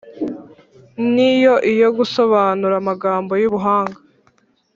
ni iyo gusobanura amagambo y’ubuhanga